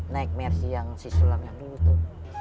naik mersi yang sisulam yang dulu tuh